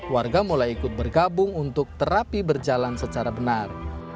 warga mulai ikut bergabung untuk terapi berjalan secara benar